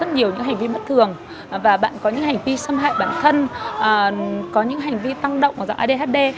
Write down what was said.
bạn có rất nhiều những hành vi bất thường và bạn có những hành vi xâm hại bản thân có những hành vi tăng động ở dọa adhd